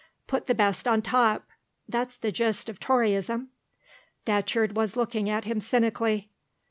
Put the best on top that's the gist of Toryism." Datcherd was looking at him cynically.